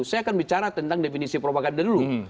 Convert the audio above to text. saya akan bicara tentang definisi propaganda dulu